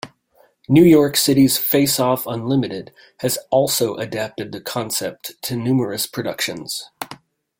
New York City's Face Off Unlimited has also adapted the concept to numerous productions.